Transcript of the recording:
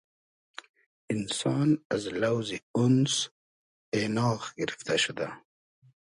اینسان از لۆزی (اونس) اېناغ گیرفتۂ شودۂ